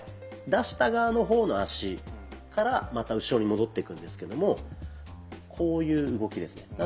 出した側の方の足からまた後ろに戻っていくんですけどもこういう動きですね。